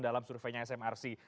dalam surveinya smrc